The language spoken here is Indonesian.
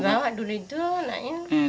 dibawa dulu itu enggak ya